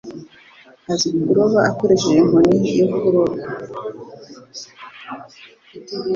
Azi kuroba akoresheje inkoni yo kuroba.